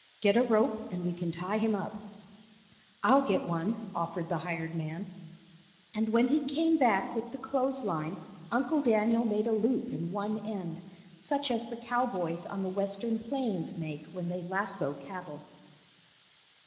"Get a rope and we can tie him up." "I'll get one," offered the hired man, and when he came back with the clothes line Uncle Daniel made a loop in one end, such as the cowboys on the Western plains make when they lasso cattle.